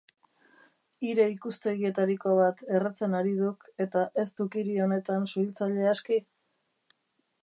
Hire ikuztegietariko bat erretzen ari duk eta ez duk hiri honetan suhiltzaile aski?